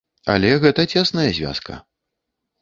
Але гэта цесная звязка.